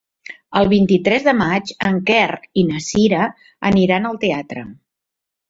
El vint-i-tres de maig en Quer i na Cira aniran al teatre.